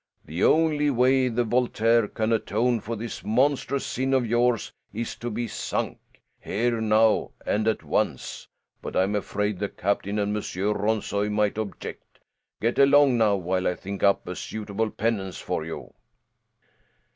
The only way the Voltaire can atone for this monstrous sin of yours is to be sunk, here, now and at once. But I'm afraid the captain and Monsieur Ronssoy might object. Get along now, while I think up a suitable penance for you."